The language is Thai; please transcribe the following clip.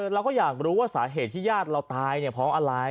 เราก็อยากรู้ว่าสาเหตุที่ญาติเราตายเนี่ยเพราะอะไร